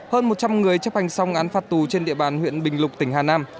hơn một trăm linh người chấp hành xong án phạt tù trên địa bàn huyện bình lục tỉnh hà nam